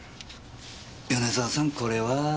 米沢さんこれは？